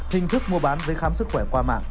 hình thức mua bán giấy khám sức khỏe qua mạng